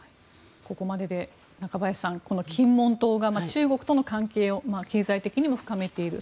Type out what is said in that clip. ここまでで中林さんこの金門島が、中国との関係を経済的にも深めている。